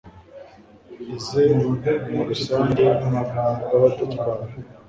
Ize mu rusange rwabadutwara